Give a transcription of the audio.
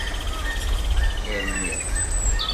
Rniɣ-t.